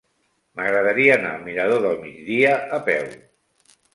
M'agradaria anar al mirador del Migdia a peu.